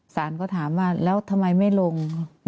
สารก็ถามว่าแล้วทำไมไม่ลงไหนไปลง